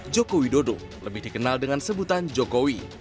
joko widodo lebih dikenal dengan sebutan jokowi